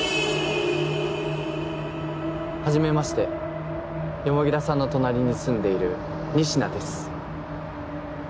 はじめまして田さんの隣に住んでいる仁科です。